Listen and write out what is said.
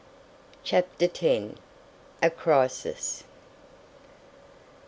CHAPTER X. A CRISIS.